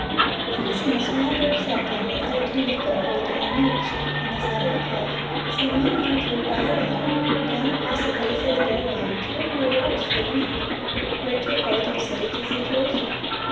I have seen a small birch sapling that had obtained a foothold in a niche on the side of a cliff send one large root diagonally down across the face of the bare rock two or more yards to the ground, where it took hold and saved the situation.